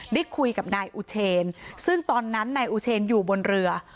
ได้คุยกับนายอุเชนซึ่งตอนนั้นนายอุเชนอยู่บนเรือ